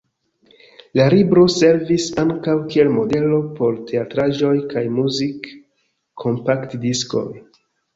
La libro servis ankaŭ kiel modelo por teatraĵoj kaj muzik-kompaktdiskoj.